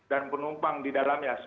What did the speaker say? dan penumpang di dalam kendaraan itu